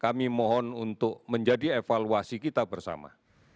kami mohon untuk menjadi evaluasi kita bersama